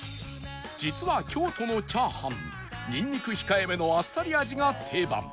実は京都のチャーハンニンニク控えめのあっさり味が定番